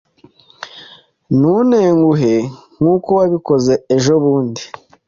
Ntuntenguhe nkuko wabikoze ejobundi.